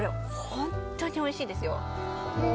本当においしいですよ。